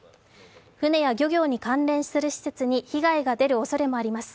船や漁業に関連する施設に被害が出るおそれもあります。